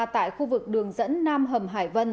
tại khu vực đường dẫn nam hầm hải vân